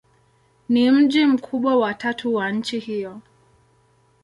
Ni mji mkubwa wa tatu wa nchi hiyo.